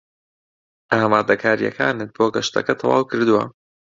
ئامادەکارییەکانت بۆ گەشتەکە تەواو کردووە؟